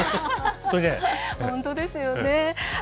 本当ですよね。